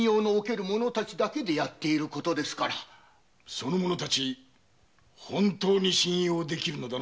その者たち本当に信用できるのだな？